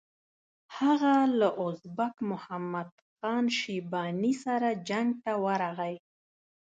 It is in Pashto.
هغه له ازبک محمد خان شیباني سره جنګ ته ورغی.